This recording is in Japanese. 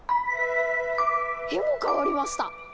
絵も変わりました！